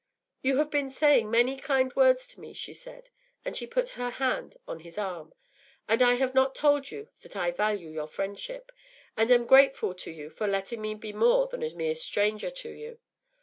“You have been saying many kind words to me,” she said, as she put her hand on his arm, “and I have not told you that I value your friendship, and am grateful to you for letting me be more than a mere stranger to you.